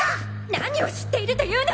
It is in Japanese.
何を知っているというの？